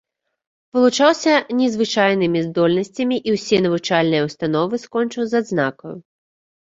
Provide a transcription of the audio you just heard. Вылучаўся незвычайнымі здольнасцямі і ўсе навучальныя ўстановы скончыў з адзнакаю.